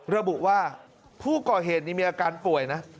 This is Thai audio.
ระบุว่าผู้ก่อเหตุนี่มีอาการป่วยนะ